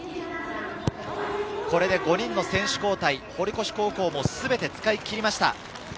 これで５人の選手交代、堀越高校も全て使いきりました。